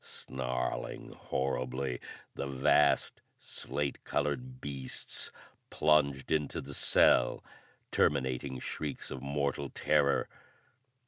Snarling horribly, the vast slate colored beasts plunged into the cell, terminating shrieks of mortal terror.